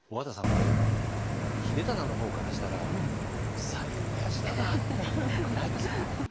これ秀忠の方からしたらうるさいおやじだなないですか？